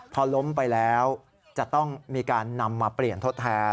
พอล้มไปแล้วจะต้องมีการนำมาเปลี่ยนทดแทน